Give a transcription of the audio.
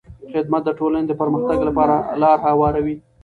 خدمت د ټولنې د پرمختګ لاره هواروي.